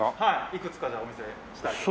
いくつかお見せしたいと。